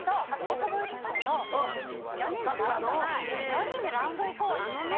４人でラウンド行こうって言って。